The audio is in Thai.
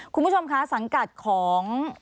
คุณผู้ชมคะสังกัดของ